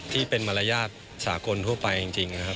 ที่เป็นมารยาทสากลทั่วไปจริงนะครับ